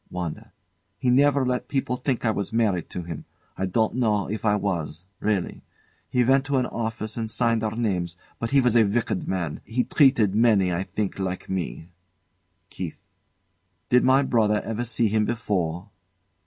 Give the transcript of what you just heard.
WANDA. He never let people think I was married to him. I don't know if I was really. We went to an office and signed our names; but he was a wicked man. He treated many, I think, like me. KEITH. Did my brother ever see him before?